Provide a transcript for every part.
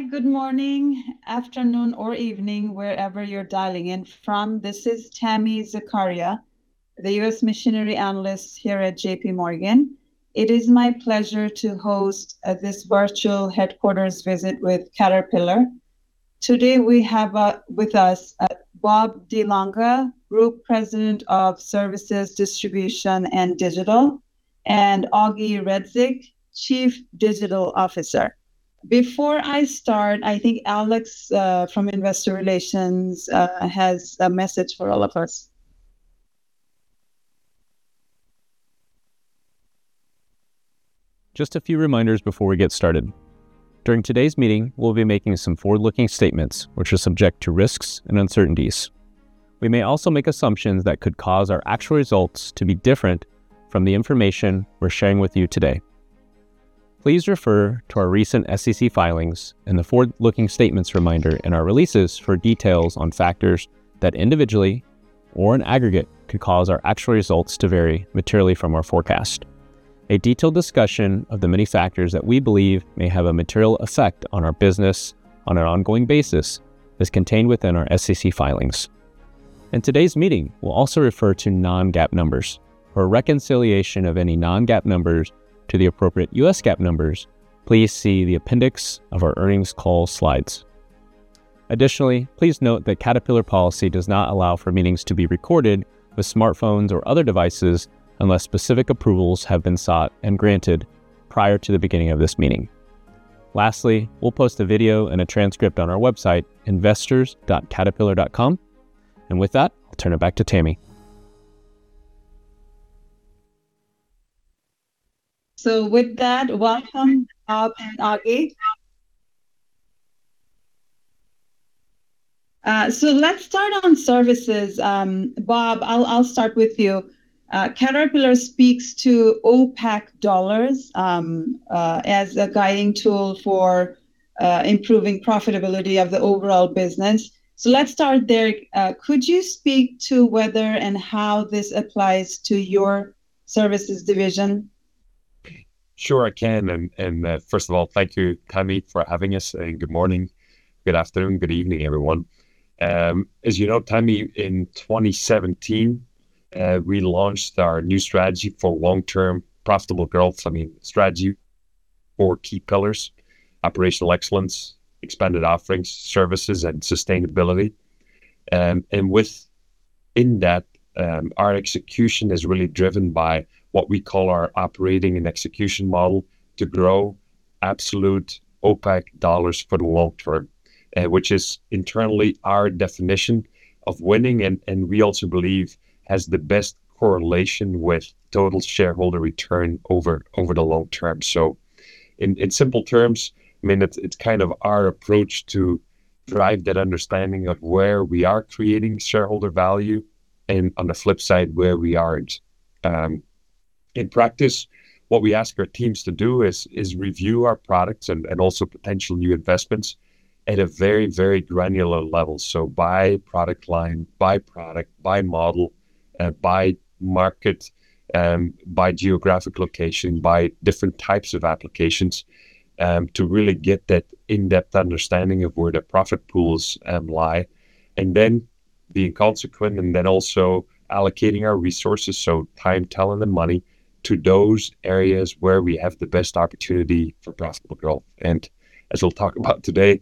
Hi, good morning, afternoon, or evening, wherever you're dialing in from. This is Tami Zakaria, the U.S. machinery analyst here at J.P. Morgan. It is my pleasure to host this virtual headquarters visit with Caterpillar. Today we have with us Bob De Lange, Group President of Services, Distribution, and Digital, and Ogi Redzic, Chief Digital Officer. Before I start, I think Alex from Investor Relations has a message for all of us. Just a few reminders before we get started. During today's meeting, we'll be making some forward-looking statements, which are subject to risks and uncertainties. We may also make assumptions that could cause our actual results to be different from the information we're sharing with you today. Please refer to our recent SEC filings and the forward-looking statements reminder in our releases for details on factors that individually or in aggregate could cause our actual results to vary materially from our forecast. A detailed discussion of the many factors that we believe may have a material effect on our business on an ongoing basis is contained within our SEC filings. In today's meeting, we'll also refer to non-GAAP numbers. For reconciliation of any non-GAAP numbers to the appropriate U.S. GAAP numbers, please see the appendix of our earnings call slides. Additionally, please note that Caterpillar policy does not allow for meetings to be recorded with smartphones or other devices unless specific approvals have been sought and granted prior to the beginning of this meeting. Lastly, we'll post a video and a transcript on our website, investors.caterpillar.com. And with that, I'll turn it back to Tami. With that, welcome, Bob and Ogi. Let's start on services. Bob, I'll start with you. Caterpillar speaks to OPACC dollars as a guiding tool for improving profitability of the overall business. Let's start there. Could you speak to whether and how this applies to your services division? Sure, I can. And first of all, thank you, Tami, for having us. And good morning, good afternoon, good evening, everyone. As you know, Tami, in 2017, we launched our new strategy for long-term profitable growth. I mean, strategy for key pillars: operational excellence, expanded offerings, services, and sustainability. And within that, our execution is really driven by what we call our operating and execution model to grow absolute OPACC dollars for the long term, which is internally our definition of winning. And we also believe has the best correlation with total shareholder return over the long term. So in simple terms, I mean, it's kind of our approach to drive that understanding of where we are creating shareholder value and on the flip side, where we aren't. In practice, what we ask our teams to do is review our products and also potential new investments at a very, very granular level, so by product line, by product, by model, by market, by geographic location, by different types of applications to really get that in-depth understanding of where the profit pools lie, and then being consistent and then also allocating our resources, so time, talent, and money to those areas where we have the best opportunity for profitable growth, and as we'll talk about today,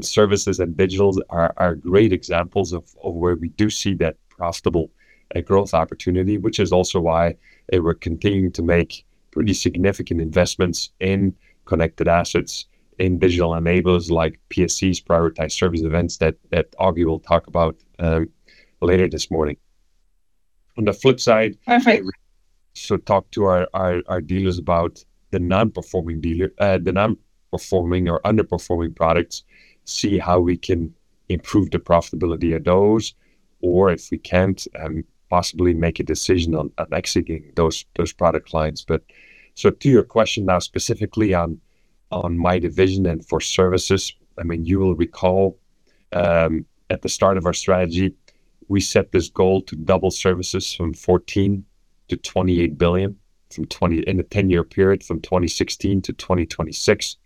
services and digital are great examples of where we do see that profitable growth opportunity, which is also why we're continuing to make pretty significant investments in connected assets, in digital enablers like PSEs, Prioritized Service Events that Ogi will talk about later this morning. On the flip side, we also talk to our dealers about the non-performing or underperforming products, see how we can improve the profitability of those, or if we can't possibly make a decision on exiting those product lines, but so to your question now, specifically on my division and for services, I mean, you will recall at the start of our strategy, we set this goal to double services from $14 billion-$28 billion in a 10-year period from 2016 to 2026.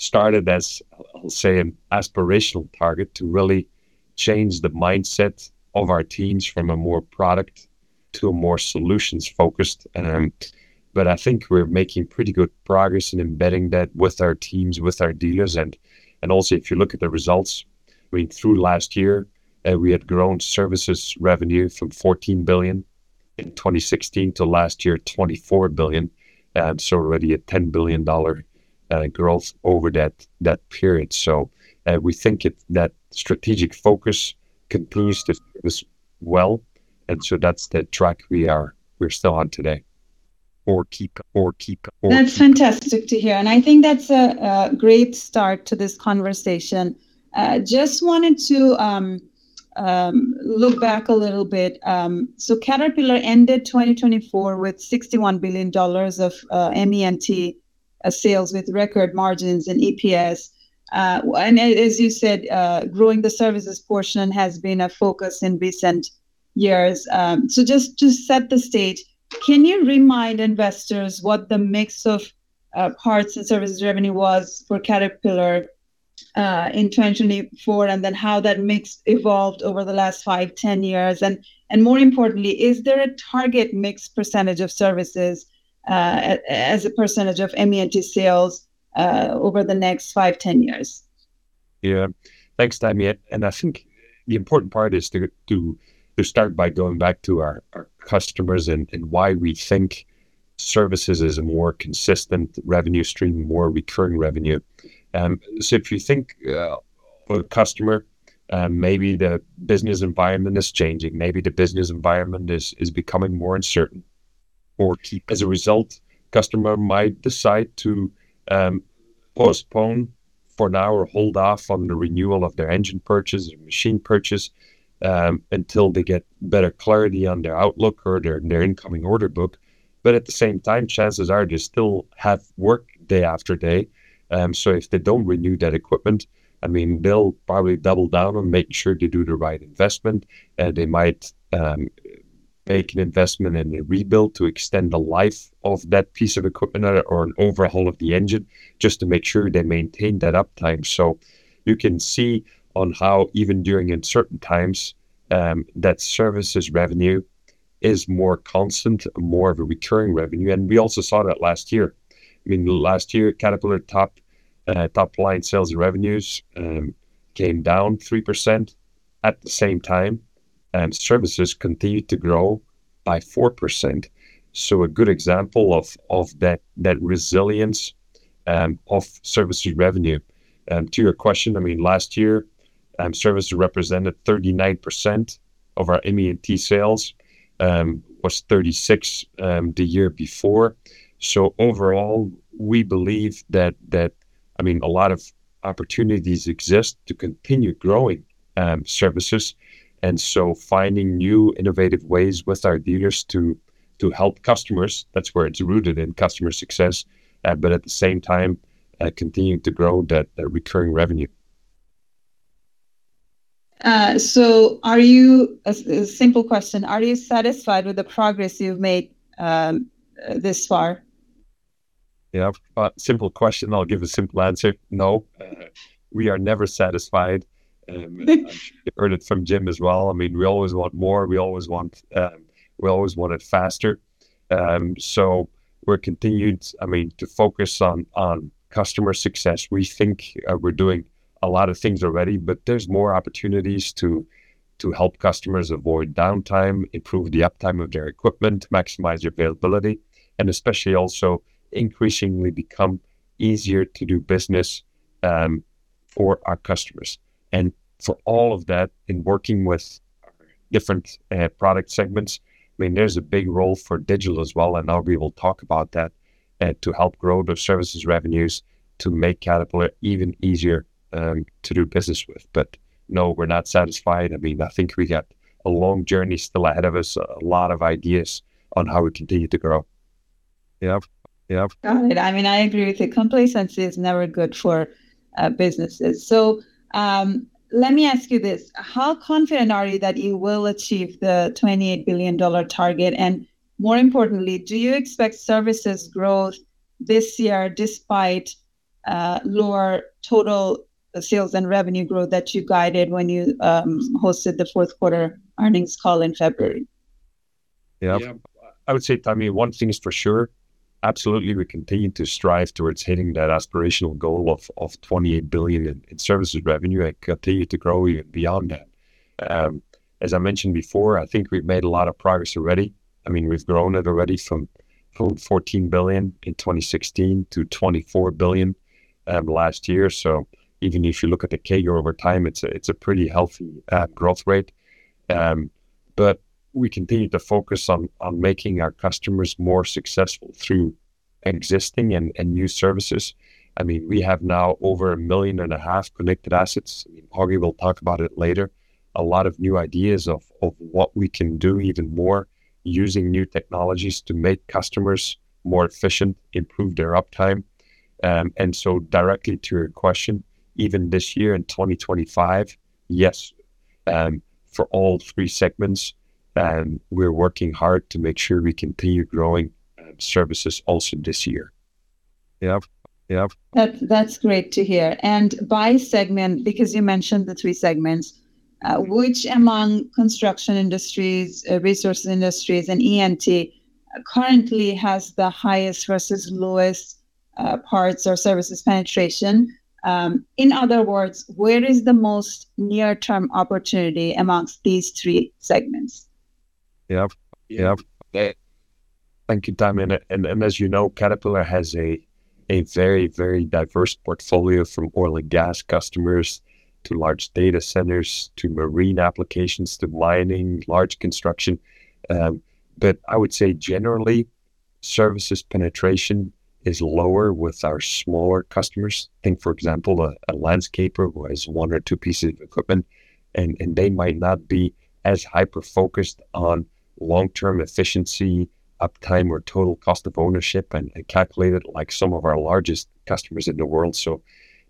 Started as, I'll say, an aspirational target to really change the mindset of our teams from a more product to a more solutions-focused, but I think we're making pretty good progress in embedding that with our teams, with our dealers, and also, if you look at the results, I mean, through last year, we had grown services revenue from $14 billion in 2016 to last year, $24 billion. So already a $10 billion growth over that period. So we think that strategic focus continues to serve well. And so that's the track we are still on today. That's fantastic to hear. And I think that's a great start to this conversation. Just wanted to look back a little bit. So Caterpillar ended 2024 with $61 billion of ME&T sales with record margins and EPS. And as you said, growing the services portion has been a focus in recent years. So just to set the stage, can you remind investors what the mix of parts and services revenue was for Caterpillar in 2024, and then how that mix evolved over the last five, 10 years? And more importantly, is there a target mix percentage of services as a percentage of ME&T sales over the next five, 10 years? Yeah, thanks, Tami. And I think the important part is to start by going back to our customers and why we think services is a more consistent revenue stream, more recurring revenue. So if you think of a customer, maybe the business environment is changing, maybe the business environment is becoming more uncertain. Or as a result, customer might decide to postpone for now or hold off on the renewal of their engine purchase or machine purchase until they get better clarity on their outlook or their incoming order book. But at the same time, chances are they still have work day after day. So if they don't renew that equipment, I mean, they'll probably double down on making sure they do the right investment. They might make an investment in a rebuild to extend the life of that piece of equipment or an overhaul of the engine just to make sure they maintain that uptime. So you can see how even during uncertain times, that services revenue is more constant, more of a recurring revenue. And we also saw that last year. I mean, last year, Caterpillar top line sales and revenues came down 3%. At the same time, services continued to grow by 4%. So a good example of that resilience of services revenue. To your question, I mean, last year, services represented 39% of our ME&T sales, was 36% the year before. So overall, we believe that, I mean, a lot of opportunities exist to continue growing services. And so, finding new innovative ways with our dealers to help customers, that's where it's rooted in customer success, but at the same time, continue to grow that recurring revenue. So are you, a simple question, are you satisfied with the progress you've made this far? Yeah, simple question. I'll give a simple answer. No, we are never satisfied. You heard it from Jim as well. I mean, we always want more. We always want it faster. So we're continuing, I mean, to focus on customer success. We think we're doing a lot of things already, but there's more opportunities to help customers avoid downtime, improve the uptime of their equipment, maximize availability, and especially also increasingly become easier to do business for our customers. And for all of that, in working with different product segments, I mean, there's a big role for digital as well. And now we will talk about that to help grow the services revenues to make Caterpillar even easier to do business with. But no, we're not satisfied. I mean, I think we got a long journey still ahead of us, a lot of ideas on how we continue to grow. Yeah. Got it. I mean, I agree with you. Complacency is never good for businesses. So let me ask you this. How confident are you that you will achieve the $28 billion target? And more importantly, do you expect services growth this year despite lower total sales and revenue growth that you guided when you hosted the fourth quarter earnings call in February? Yeah, I would say, Tami, one thing is for sure. Absolutely, we continue to strive towards hitting that aspirational goal of $28 billion in services revenue and continue to grow even beyond that. As I mentioned before, I think we've made a lot of progress already. I mean, we've grown it already from $14 billion in 2016 to $24 billion last year. So even if you look at the CAGR over time, it's a pretty healthy growth rate. But we continue to focus on making our customers more successful through existing and new services. I mean, we have now over 1.5 million connected assets. I mean, Ogi will talk about it later. A lot of new ideas of what we can do even more using new technologies to make customers more efficient, improve their uptime. And so directly to your question, even this year in 2025, yes, for all three segments, we're working hard to make sure we continue growing services also this year. Yeah. That's great to hear. And by segment, because you mentioned the three segments, which among Construction Industries, Resource Industries, and E&T currently has the highest versus lowest parts or services penetration? In other words, where is the most near-term opportunity amongst these three segments? Yeah, yeah. Thank you, Tami. And as you know, Caterpillar has a very, very diverse portfolio from oil and gas customers to large data centers to marine applications to mining, large construction. But I would say generally, services penetration is lower with our smaller customers. I think, for example, a landscaper who has one or two pieces of equipment, and they might not be as hyper-focused on long-term efficiency, uptime, or total cost of ownership and calculate it like some of our largest customers in the world.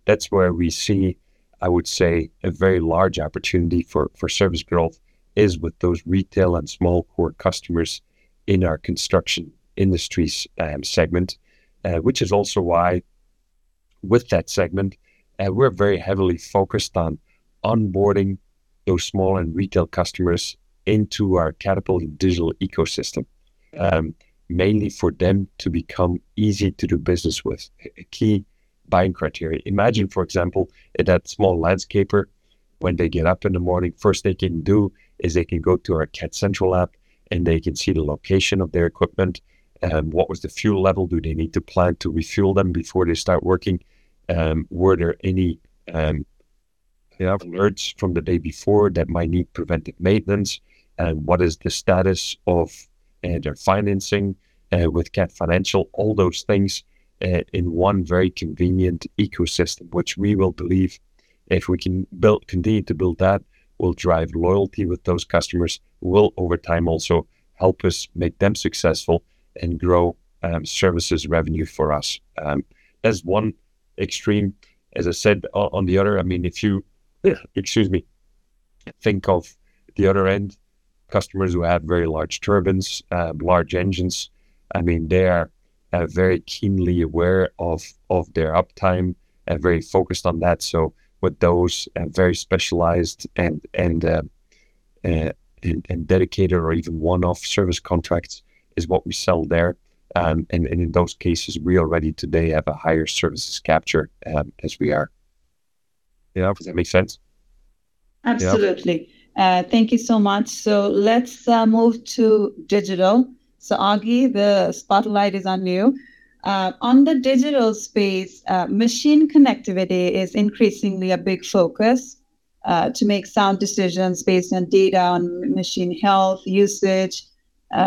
That's where we see, I would say, a very large opportunity for service growth is with those retail and small core customers in our Construction Industries segment, which is also why with that segment, we're very heavily focused on onboarding those small and retail customers into our Caterpillar digital ecosystem, mainly for them to become easy to do business with, a key buying criteria. Imagine, for example, that small landscaper, when they get up in the morning, first they can do is they can go to our Cat Central app and they can see the location of their equipment. What was the fuel level? Do they need to plan to refuel them before they start working? Were there any alerts from the day before that might need preventive maintenance? And what is the status of their financing with Cat Financial? All those things in one very convenient ecosystem, which we will believe if we can continue to build that, will drive loyalty with those customers, will over time also help us make them successful and grow services revenue for us. That's one extreme. As I said, on the other, I mean, if you, excuse me, think of the other end, customers who have very large turbines, large engines, I mean, they are very keenly aware of their uptime and very focused on that. So with those very specialized and dedicated or even one-off service contracts is what we sell there. And in those cases, we already today have a higher services capture as we are. Yeah, does that make sense? Absolutely. Thank you so much. So let's move to digital. So Ogi, the spotlight is on you. On the digital space, machine connectivity is increasingly a big focus to make sound decisions based on data on machine health, usage,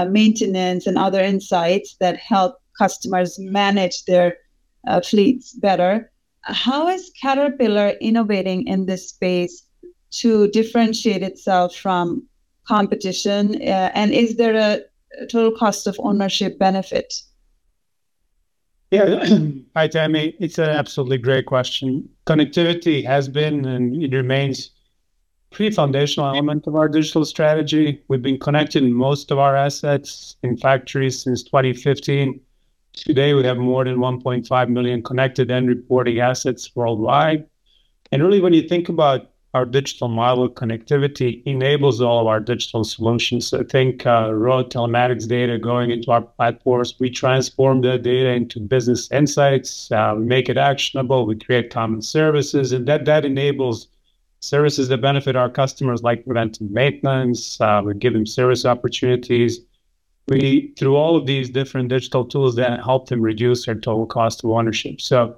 maintenance, and other insights that help customers manage their fleets better. How is Caterpillar innovating in this space to differentiate itself from competition? And is there a total cost of ownership benefit? Yeah, hi, Tami. It's an absolutely great question. Connectivity has been and remains a pretty foundational element of our digital strategy. We've been connecting most of our assets in factories since 2015. Today, we have more than 1.5 million connected and reporting assets worldwide. And really, when you think about our digital model connectivity, it enables all of our digital solutions. I think raw telematics data going into our platforms, we transform that data into business insights, make it actionable, we create common services. And that enables services that benefit our customers, like preventive maintenance. We give them service opportunities. Through all of these different digital tools that help them reduce their total cost of ownership. So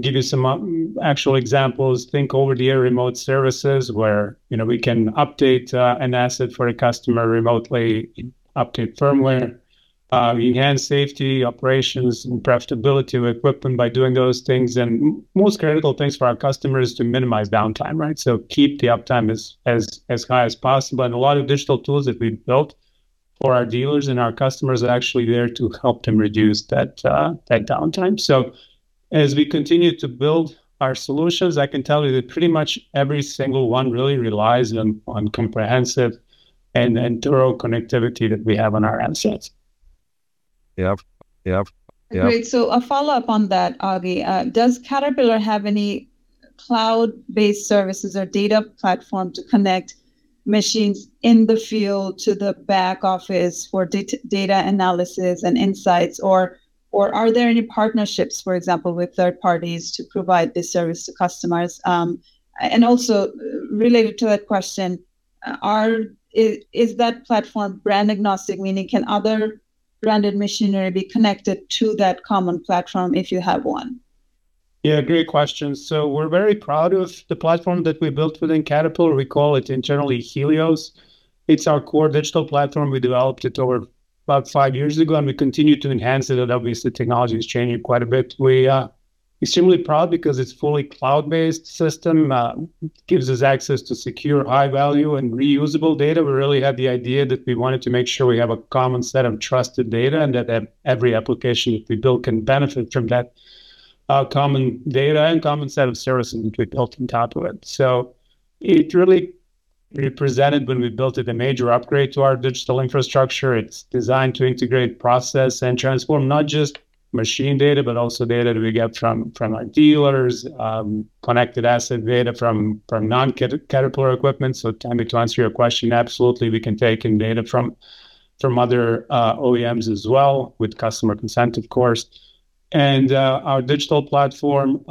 I'll give you some actual examples. Think over-the-air remote services where we can update an asset for a customer remotely, update firmware, enhance safety, operations, and profitability of equipment by doing those things. And most critical things for our customers is to minimize downtime, right? So keep the uptime as high as possible. And a lot of digital tools that we've built for our dealers and our customers are actually there to help them reduce that downtime. So as we continue to build our solutions, I can tell you that pretty much every single one really relies on comprehensive and thorough connectivity that we have on our assets. Yeah, yeah. Great. So a follow-up on that, Ogi, does Caterpillar have any cloud-based services or data platform to connect machines in the field to the back office for data analysis and insights? Or are there any partnerships, for example, with third parties to provide this service to customers? And also related to that question, is that platform brand agnostic? Meaning, can other branded machinery be connected to that common platform if you have one? Yeah, great question. So we're very proud of the platform that we built within Caterpillar. We call it internally Helios. It's our core digital platform. We developed it over about five years ago, and we continue to enhance it. And obviously, technology is changing quite a bit. We are extremely proud because it's a fully cloud-based system. It gives us access to secure, high-value, and reusable data. We really had the idea that we wanted to make sure we have a common set of trusted data and that every application that we build can benefit from that common data and common set of services that we built on top of it. So it really represented, when we built it, a major upgrade to our digital infrastructure. It's designed to integrate, process, and transform not just machine data, but also data that we get from our dealers, connected asset data from non-Caterpillar equipment, so Tami, to answer your question, absolutely, we can take in data from other OEMs as well with customer consent, of course. And our digital platform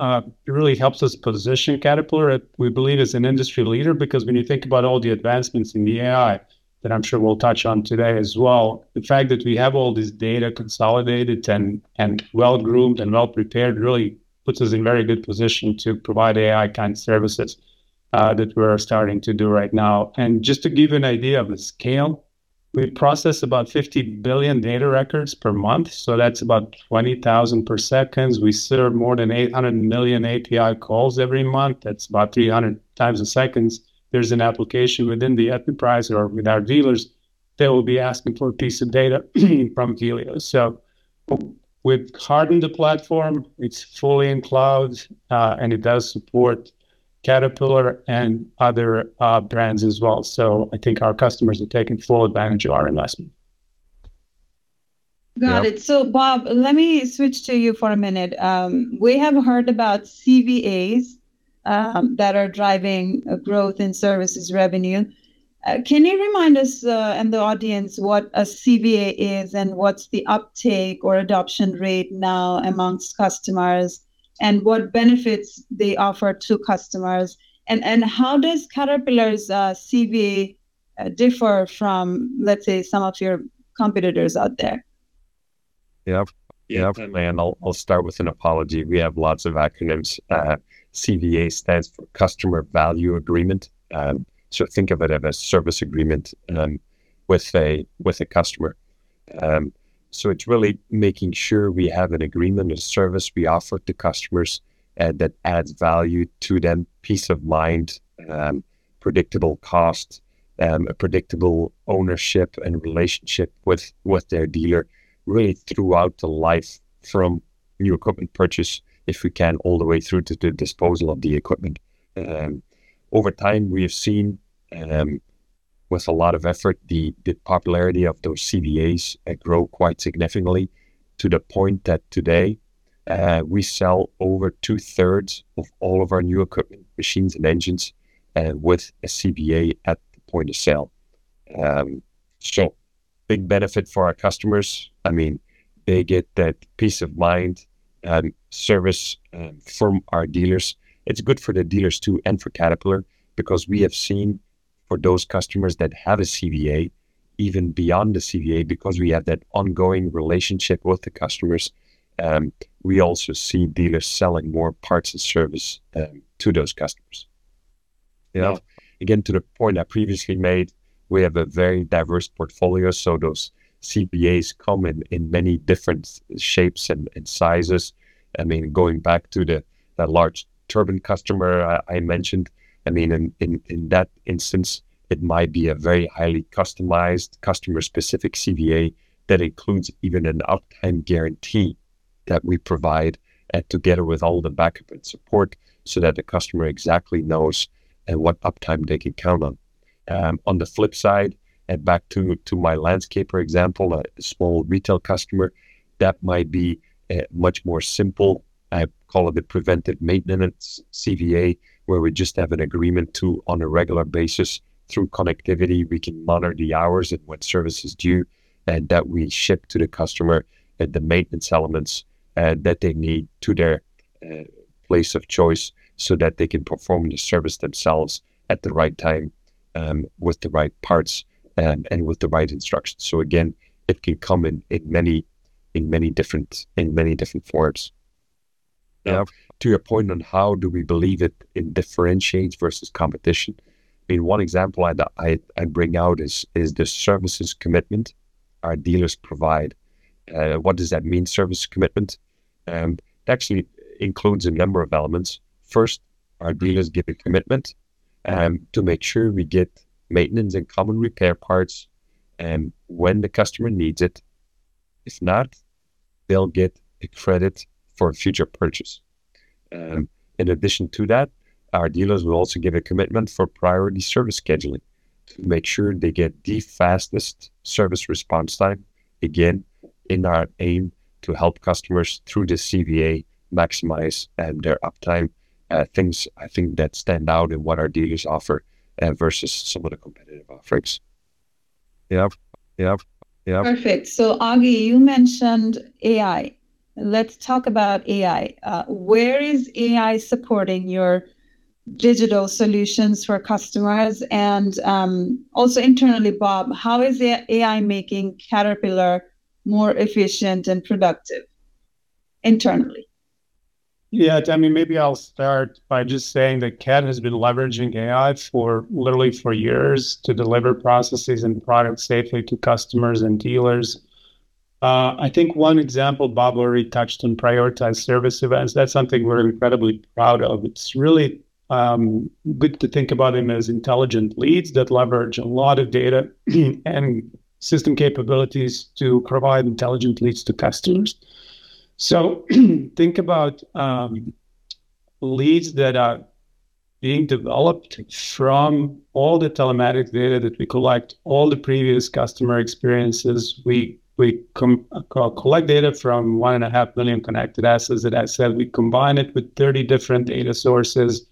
really helps us position Caterpillar. We believe it's an industry leader because when you think about all the advancements in the AI that I'm sure we'll touch on today as well, the fact that we have all this data consolidated and well-groomed and well-prepared really puts us in a very good position to provide AI kind of services that we're starting to do right now, and just to give you an idea of the scale, we process about 50 billion data records per month. So that's about 20,000 per second. We serve more than 800 million API calls every month. That's about 300 times a second. There's an application within the enterprise or with our dealers that will be asking for a piece of data from Helios. So we've hardened the platform. It's fully in cloud, and it does support Caterpillar and other brands as well. So I think our customers are taking full advantage of our investment. Got it. So Bob, let me switch to you for a minute. We have heard about CVAs that are driving growth in services revenue. Can you remind us and the audience what a CVA is and what's the uptake or adoption rate now amongst customers and what benefits they offer to customers? And how does Caterpillar's CVA differ from, let's say, some of your competitors out there? Yeah, yeah, I'll start with an apology. We have lots of acronyms. CVA stands for Customer Value Agreement. So think of it as a service agreement with a customer. So it's really making sure we have an agreement, a service we offer to customers that adds value to them, peace of mind, predictable cost, predictable ownership and relationship with their dealer really throughout the life from new equipment purchase, if we can, all the way through to the disposal of the equipment. Over time, we have seen with a lot of effort the popularity of those CVAs grow quite significantly to the point that today we sell over two-thirds of all of our new equipment, machines and engines with a CVA at the point of sale. So big benefit for our customers. I mean, they get that peace of mind service from our dealers. It's good for the dealers too and for Caterpillar because we have seen for those customers that have a CVA, even beyond the CVA, because we have that ongoing relationship with the customers, we also see dealers selling more parts and service to those customers. Yeah, again, to the point I previously made, we have a very diverse portfolio. So those CVAs come in many different shapes and sizes. I mean, going back to the large turbine customer I mentioned, I mean, in that instance, it might be a very highly customized, customer-specific CVA that includes even an uptime guarantee that we provide together with all the backup and support so that the customer exactly knows what uptime they can count on. On the flip side, and back to my landscaper example, a small retail customer, that might be much more simple. I call it the preventive maintenance CVA, where we just have an agreement to, on a regular basis, through connectivity, we can monitor the hours and what services due and that we ship to the customer and the maintenance elements that they need to their place of choice so that they can perform the service themselves at the right time with the right parts and with the right instructions, so again, it can come in many different forms. Now, to your point on how do we believe it differentiates versus competition? I mean, one example I bring out is the services commitment our dealers provide. What does that mean, service commitment? It actually includes a number of elements. First, our dealers give a commitment to make sure we get maintenance and common repair parts when the customer needs it. If not, they'll get a credit for a future purchase. In addition to that, our dealers will also give a commitment for priority service scheduling to make sure they get the fastest service response time. Again, in our aim to help customers through the CVA maximize their uptime, things I think that stand out in what our dealers offer versus some of the competitive offerings. Yeah, yeah, yeah. Perfect. So Ogi, you mentioned AI. Let's talk about AI. Where is AI supporting your digital solutions for customers? And also internally, Bob, how is AI making Caterpillar more efficient and productive internally? Yeah, Tami, maybe I'll start by just saying that CAT has been leveraging AI for literally four years to deliver processes and products safely to customers and dealers. I think one example Bob already touched on Prioritized Service Events. That's something we're incredibly proud of. It's really good to think about them as intelligent leads that leverage a lot of data and system capabilities to provide intelligent leads to customers. So think about leads that are being developed from all the telematics data that we collect, all the previous customer experiences. We collect data from 1.5 million connected assets that I said. We combine it with 30 different data sources.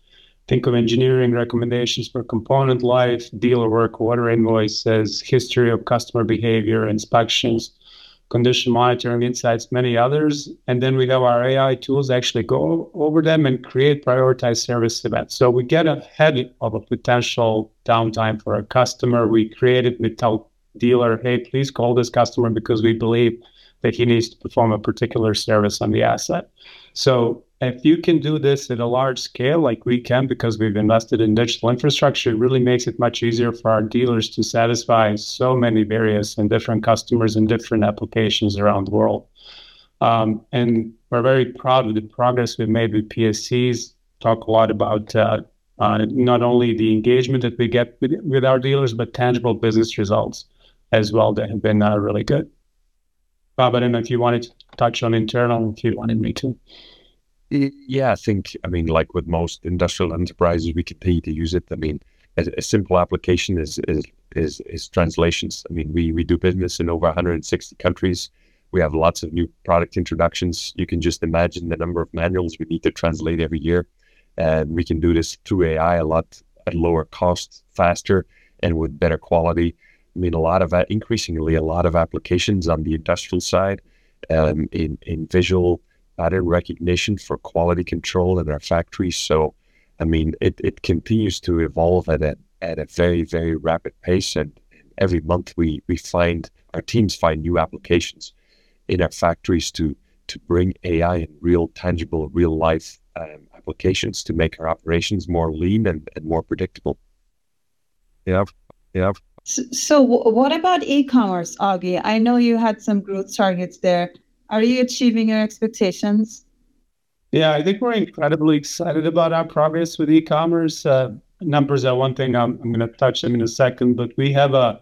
Think of engineering recommendations for component life, dealer work, order invoices, history of customer behavior, inspections, condition monitoring insights, many others. And then we have our AI tools actually go over them and create Prioritized Service Events. So we get ahead of a potential downtime for our customer. We create it without dealer, "Hey, please call this customer because we believe that he needs to perform a particular service on the asset." So if you can do this at a large scale like we can because we've invested in digital infrastructure, it really makes it much easier for our dealers to satisfy so many various and different customers in different applications around the world. And we're very proud of the progress we've made with PSEs. Talk a lot about not only the engagement that we get with our dealers, but tangible business results as well that have been really good. Bob, I don't know if you wanted to touch on internal if you wanted me to. Yeah, I think, I mean, like with most industrial enterprises, we continue to use it. I mean, a simple application is translations. I mean, we do business in over 160 countries. We have lots of new product introductions. You can just imagine the number of manuals we need to translate every year. And we can do this through AI a lot at lower cost, faster, and with better quality. I mean, a lot of that, increasingly a lot of applications on the industrial side in visual pattern recognition for quality control in our factories. So I mean, it continues to evolve at a very, very rapid pace. And every month, our teams find new applications in our factories to bring AI in real tangible, real-life applications to make our operations more lean and more predictable. Yeah, yeah. So what about e-commerce, Ogi? I know you had some growth targets there. Are you achieving your expectations? Yeah, I think we're incredibly excited about our progress with e-commerce. Numbers are one thing. I'm going to touch them in a second, but we have a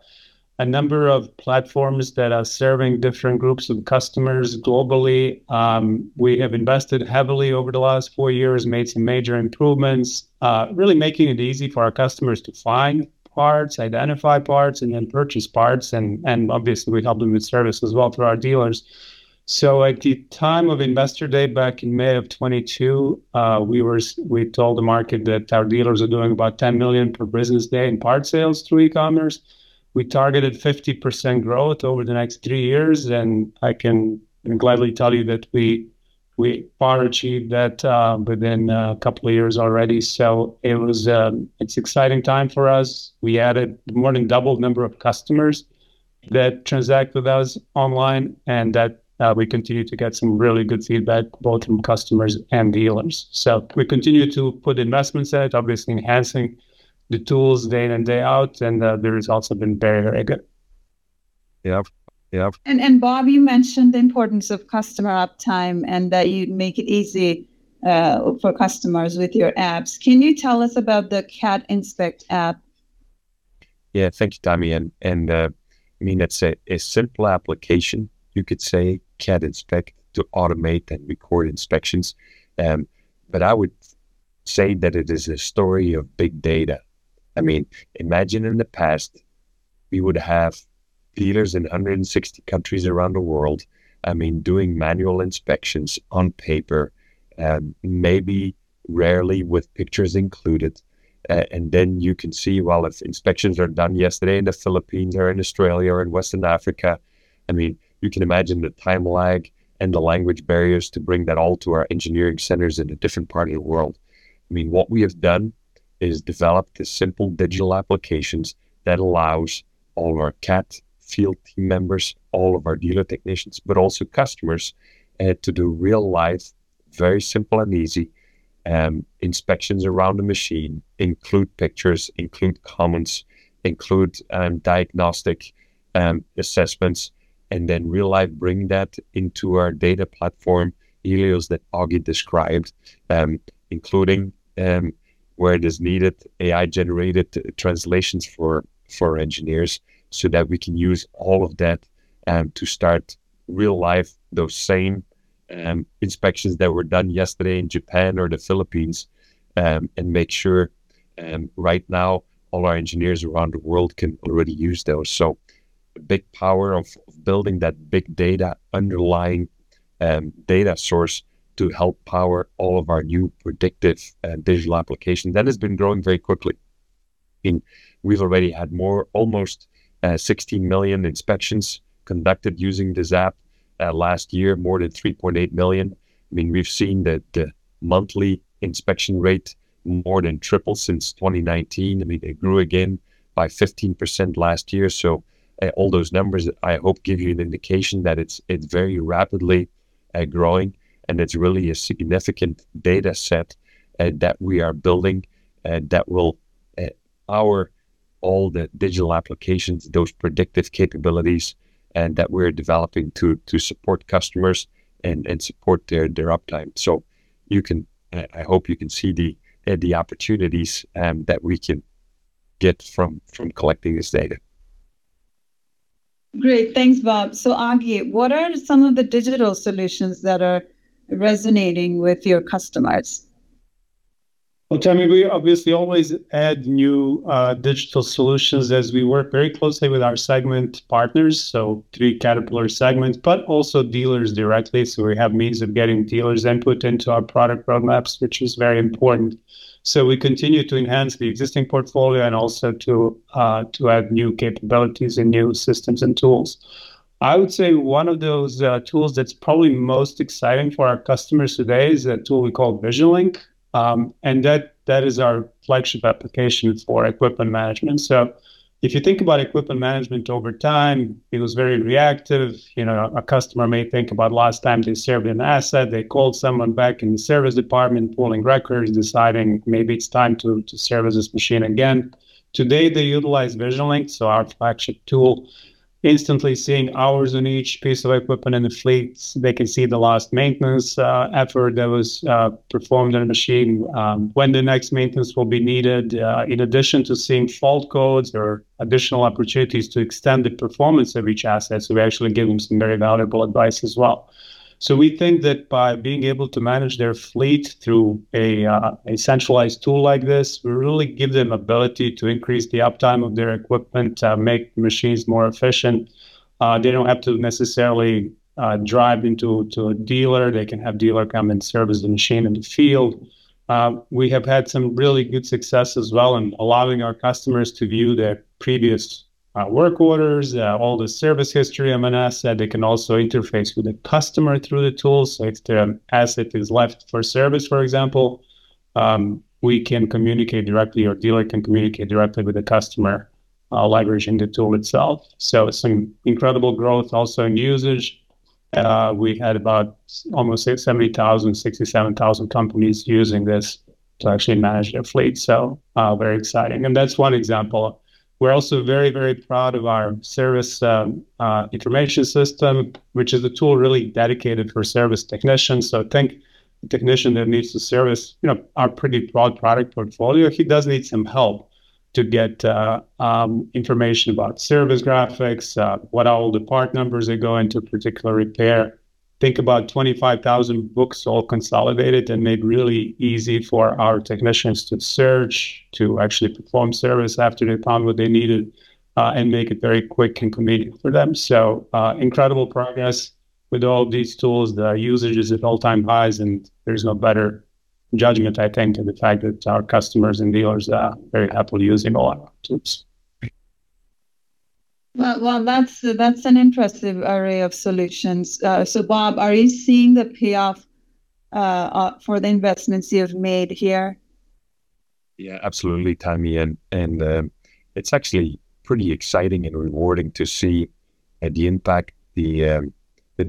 number of platforms that are serving different groups of customers globally. We have invested heavily over the last four years, made some major improvements, really making it easy for our customers to find parts, identify parts, and then purchase parts. And obviously, we help them with service as well for our dealers. So at the time of Investor Day back in May of 2022, we told the market that our dealers are doing about $10 million per business day in part sales through e-commerce. We targeted 50% growth over the next three years. And I can gladly tell you that we far achieved that within a couple of years already. So it's an exciting time for us. We added more than double the number of customers that transact with us online, and that we continue to get some really good feedback both from customers and dealers. So we continue to put investments in it, obviously enhancing the tools day in and day out. And the results have been very, very good. Yeah, yeah. Bob, you mentioned the importance of customer uptime and that you make it easy for customers with your apps. Can you tell us about the Cat Inspect app? Yeah, thank you, Tami. And I mean, it's a simple application. You could say Cat Inspect to automate and record inspections. But I would say that it is a story of big data. I mean, imagine in the past, we would have dealers in 160 countries around the world, I mean, doing manual inspections on paper, maybe rarely with pictures included. And then you can see, well, if inspections are done yesterday in the Philippines or in Australia or in Western Africa, I mean, you can imagine the time lag and the language barriers to bring that all to our engineering centers in a different part of the world. I mean, what we have done is developed the simple digital applications that allows all of our Cat field team members, all of our dealer technicians, but also customers to do real-life, very simple and easy inspections around the machine, include pictures, include comments, include diagnostic assessments, and then really bring that into our data platform, Helios that Ogi described, including where it is needed, AI-generated translations for engineers so that we can use all of that to start really those same inspections that were done yesterday in Japan or the Philippines and make sure right now all our engineers around the world can already use those. So the big power of building that big data underlying data source to help power all of our new predictive digital applications that has been growing very quickly. I mean, we've already had more, almost 16 million inspections conducted using this app last year, more than 3.8 million. I mean, we've seen that the monthly inspection rate more than tripled since 2019. I mean, it grew again by 15% last year. So all those numbers I hope give you an indication that it's very rapidly growing. And it's really a significant data set that we are building that will power all the digital applications, those predictive capabilities that we're developing to support customers and support their uptime. So I hope you can see the opportunities that we can get from collecting this data. Great. Thanks, Bob. So Ogi, what are some of the digital solutions that are resonating with your customers? Tami, we obviously always add new digital solutions as we work very closely with our segment partners, so three Caterpillar segments, but also dealers directly. We have means of getting dealers' input into our product roadmaps, which is very important. We continue to enhance the existing portfolio and also to add new capabilities and new systems and tools. I would say one of those tools that's probably most exciting for our customers today is a tool we call VisionLink, our flagship application for equipment management. If you think about equipment management over time, it was very reactive. A customer may think about last time they served an asset, they called someone back in the service department pulling records, deciding maybe it's time to service this machine again. Today, they utilize VisionLink, so our flagship tool, instantly seeing hours on each piece of equipment in the fleets. They can see the last maintenance effort that was performed on a machine, when the next maintenance will be needed, in addition to seeing fault codes or additional opportunities to extend the performance of each asset. So we actually give them some very valuable advice as well. So we think that by being able to manage their fleet through a centralized tool like this, we really give them ability to increase the uptime of their equipment, make machines more efficient. They don't have to necessarily drive into a dealer. They can have a dealer come and service the machine in the field. We have had some really good success as well in allowing our customers to view their previous work orders, all the service history of an asset. They can also interface with the customer through the tool, so if their asset is left for service, for example, we can communicate directly or a dealer can communicate directly with the customer, leveraging the tool itself, so some incredible growth also in usage. We had about almost 70,000, 67,000 companies using this to actually manage their fleet, so very exciting, and that's one example. We're also very, very proud of our Service Information System, which is a tool really dedicated for service technicians, so I think a technician that needs to service our pretty broad product portfolio, he does need some help to get information about service graphics, what all the part numbers they go into a particular repair. Think about 25,000 books all consolidated and made really easy for our technicians to search, to actually perform service after they found what they needed and make it very quick and convenient for them. So incredible progress with all these tools. The usage is at all-time highs. And there's no better judgment, I think, than the fact that our customers and dealers are very happily using all our tools. That's an impressive array of solutions. Bob, are you seeing the payoff for the investments you've made here? Yeah, absolutely, Tami. And it's actually pretty exciting and rewarding to see the impact the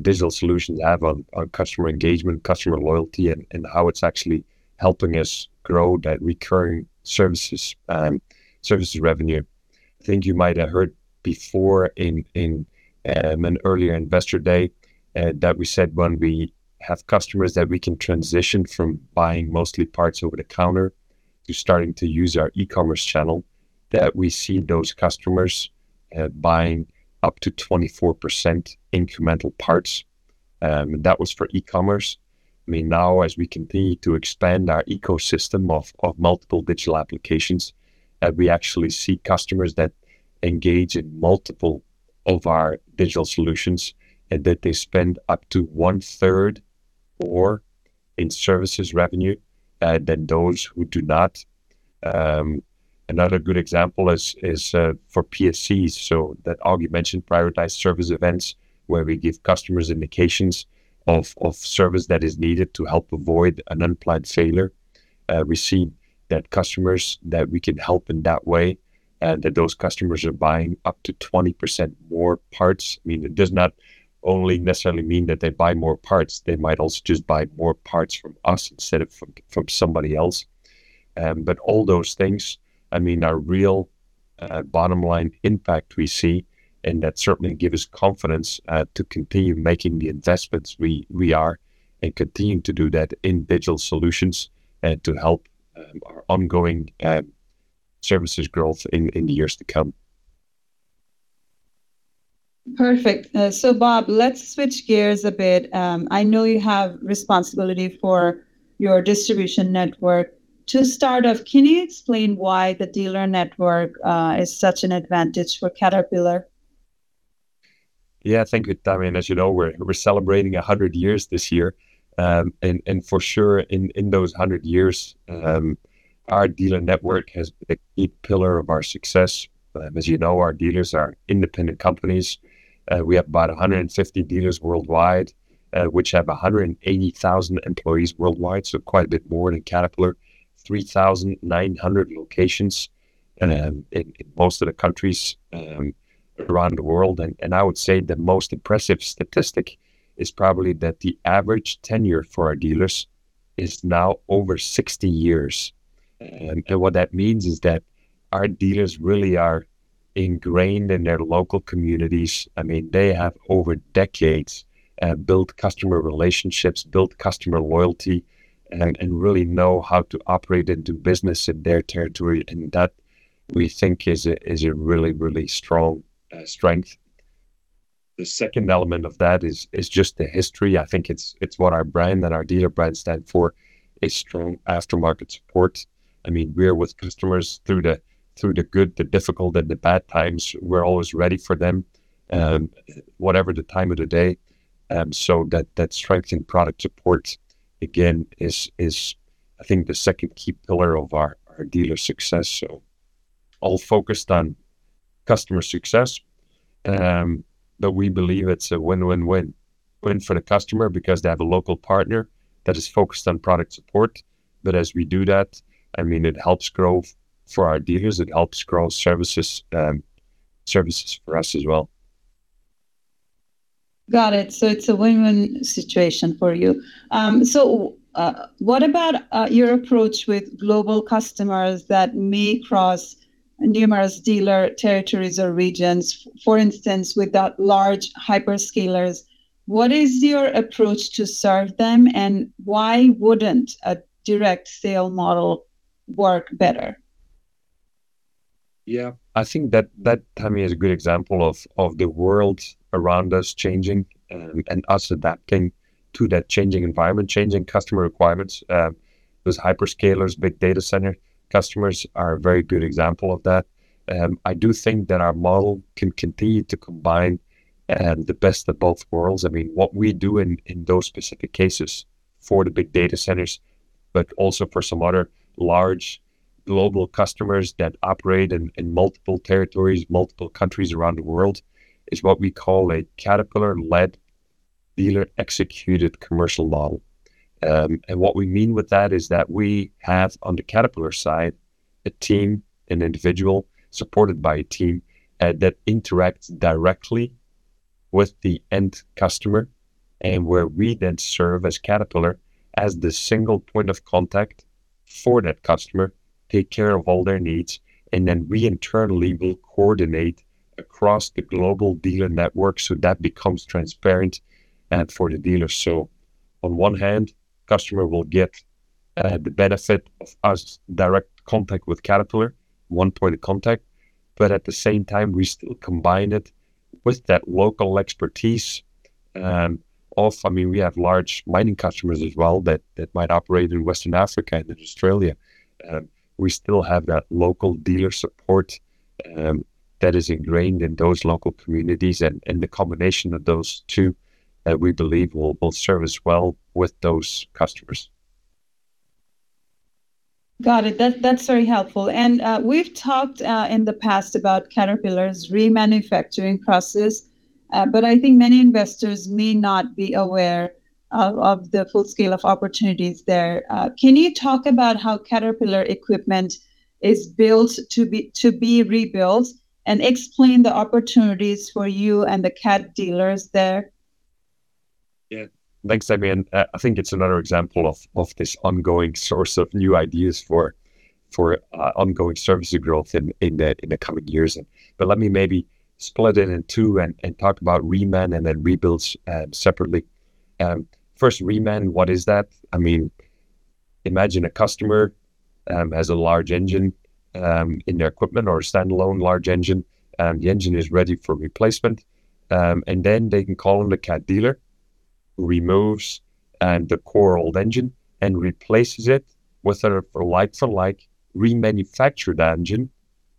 digital solutions have on customer engagement, customer loyalty, and how it's actually helping us grow that recurring services revenue. I think you might have heard before in an earlier Investor Day that we said when we have customers that we can transition from buying mostly parts over the counter to starting to use our e-commerce channel, that we see those customers buying up to 24% incremental parts. That was for e-commerce. I mean, now as we continue to expand our ecosystem of multiple digital applications, we actually see customers that engage in multiple of our digital solutions and that they spend up to one-third more in services revenue than those who do not. Another good example is for PSEs. That Ogi mentioned Prioritized Service Events where we give customers indications of service that is needed to help avoid an unplanned failure. We see that customers that we can help in that way, and that those customers are buying up to 20% more parts. I mean, it does not only necessarily mean that they buy more parts. They might also just buy more parts from us instead of from somebody else. But all those things, I mean, are real bottom-line impact we see. That certainly gives us confidence to continue making the investments we are and continue to do that in digital solutions and to help our ongoing services growth in the years to come. Perfect. So Bob, let's switch gears a bit. I know you have responsibility for your distribution network. To start off, can you explain why the dealer network is such an advantage for Caterpillar? Yeah, thank you, Tami. As you know, we're celebrating 100 years this year. And for sure, in those 100 years, our dealer network has been a key pillar of our success. As you know, our dealers are independent companies. We have about 150 dealers worldwide, which have 180,000 employees worldwide, so quite a bit more than Caterpillar, 3,900 locations in most of the countries around the world. And I would say the most impressive statistic is probably that the average tenure for our dealers is now over 60 years. And what that means is that our dealers really are ingrained in their local communities. I mean, they have over decades built customer relationships, built customer loyalty, and really know how to operate and do business in their territory. And that we think is a really, really strong strength. The second element of that is just the history. I think it's what our brand and our dealer brand stand for, is strong aftermarket support. I mean, we're with customers through the good, the difficult, and the bad times. We're always ready for them, whatever the time of the day, so that strength in product support, again, is, I think, the second key pillar of our dealer success, so all focused on customer success, but we believe it's a win-win-win for the customer because they have a local partner that is focused on product support, but as we do that, I mean, it helps grow for our dealers. It helps grow services for us as well. Got it. So it's a win-win situation for you. So what about your approach with global customers that may cross numerous dealer territories or regions, for instance, with large hyperscalers? What is your approach to serve them? And why wouldn't a direct sale model work better? Yeah, I think that, Tami, is a good example of the world around us changing and us adapting to that changing environment, changing customer requirements. Those hyperscalers, big data center customers are a very good example of that. I do think that our model can continue to combine the best of both worlds. I mean, what we do in those specific cases for the big data centers, but also for some other large global customers that operate in multiple territories, multiple countries around the world, is what we call a Caterpillar-led dealer-executed commercial model. What we mean with that is that we have on the Caterpillar side a team, an individual supported by a team that interacts directly with the end customer, and where we then serve as Caterpillar as the single point of contact for that customer, take care of all their needs, and then we internally will coordinate across the global dealer network so that becomes transparent for the dealer, so on one hand, customer will get the benefit of us direct contact with Caterpillar, one-point contact, but at the same time, we still combine it with that local expertise. I mean, we have large mining customers as well that might operate in Western Africa and in Australia. We still have that local dealer support that is ingrained in those local communities, and the combination of those two, we believe, will serve as well with those customers. Got it. That's very helpful, and we've talked in the past about Caterpillar's remanufacturing process, but I think many investors may not be aware of the full scale of opportunities there. Can you talk about how Caterpillar equipment is Built to Be Rebuilt and explain the opportunities for you and the CAT dealers there? Yeah, thanks, again. And I think it's another example of this ongoing source of new ideas for ongoing services growth in the coming years. But let me maybe split it in two and talk about Reman and then rebuild separately. First, Reman, what is that? I mean, imagine a customer has a large engine in their equipment or a standalone large engine. The engine is ready for replacement. And then they can call in the CAT dealer, removes the core old engine, and replaces it with a like-new, Reman remanufactured engine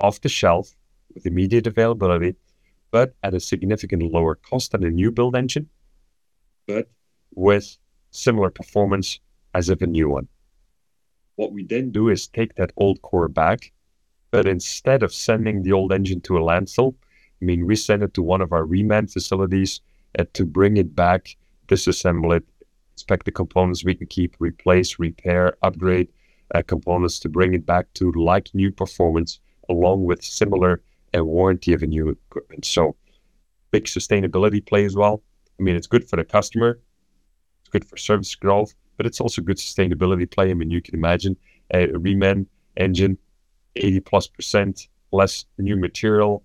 off the shelf with immediate availability, but at a significantly lower cost than a new-build engine, but with similar performance as if a new one. What we then do is take that old core back, but instead of sending the old engine to a landfill, I mean, we send it to one of our Reman facilities to bring it back, disassemble it, inspect the components, we can keep, replace, repair, upgrade components to bring it back to like-new performance along with similar warranty of a new equipment. So big sustainability play as well. I mean, it's good for the customer. It's good for service growth, but it's also good sustainability play. I mean, you can imagine a Reman engine, 80-plus% less new material,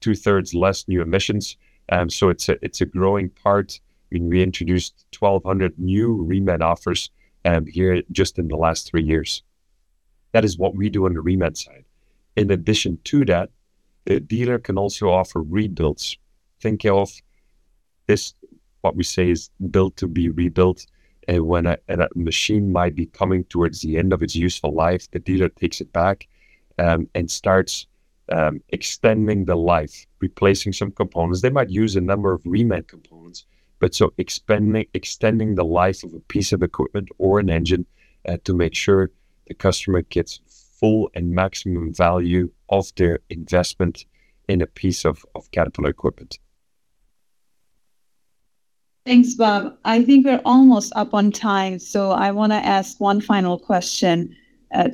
two-thirds less new emissions. So it's a growing part. I mean, we introduced 1,200 new Reman offers here just in the last three years. That is what we do on the Reman side. In addition to that, the dealer can also offer rebuilds. Think of this, what we say is Built to Be Rebuilt. And when a machine might be coming towards the end of its useful life, the dealer takes it back and starts extending the life, replacing some components. They might use a number of Reman components, but so extending the life of a piece of equipment or an engine to make sure the customer gets full and maximum value of their investment in a piece of Caterpillar equipment. Thanks, Bob. I think we're almost up on time. So I want to ask one final question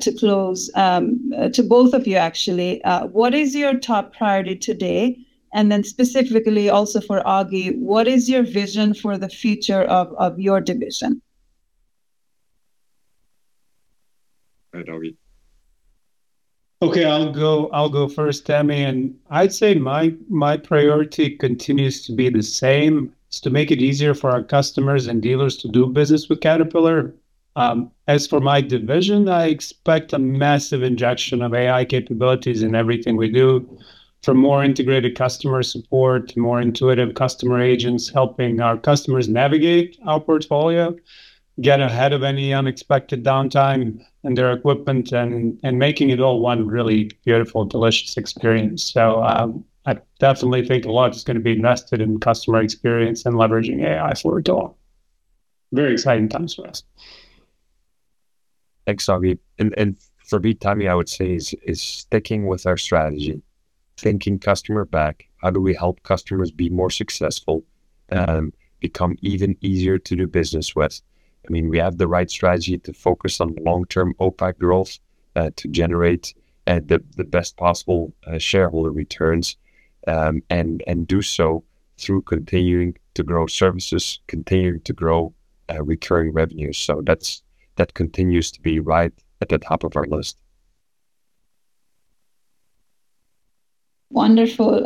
to close to both of you, actually. What is your top priority today? And then specifically also for Ogi, what is your vision for the future of your division? Hi, Ogi. Okay, I'll go first, Tami. I'd say my priority continues to be the same. It's to make it easier for our customers and dealers to do business with Caterpillar. As for my division, I expect a massive injection of AI capabilities in everything we do for more integrated customer support, more intuitive customer agents helping our customers navigate our portfolio, get ahead of any unexpected downtime in their equipment, and making it all one really beautiful, delicious experience. I definitely think a lot is going to be invested in customer experience and leveraging AI for it all. Very exciting times for us. Thanks, Ogi. For me, Tami, I would say is sticking with our strategy, thinking customer back, how do we help customers be more successful, become even easier to do business with. I mean, we have the right strategy to focus on long-term OPACC growth to generate the best possible shareholder returns and do so through continuing to grow services, continuing to grow recurring revenue. That continues to be right at the top of our list. Wonderful.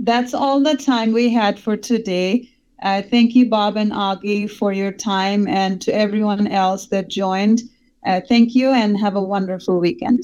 That's all the time we had for today. Thank you, Bob and Ogi, for your time, and to everyone else that joined. Thank you and have a wonderful weekend.